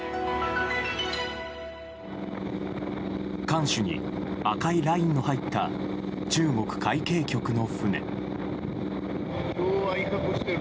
艦首に赤いラインの入った中国海警局の船。